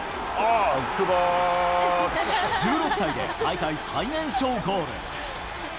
１６歳で大会最年少ゴール。